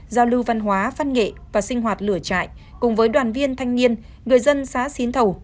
giao lưu văn hóa văn nghệ và sinh hoạt lửa trại cùng với đoàn viên thanh niên người dân xã xín thầu